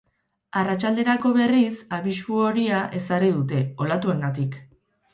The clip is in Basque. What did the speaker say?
Arratsalderako, berriz, abisu horia ezarri dute, olatuengatik.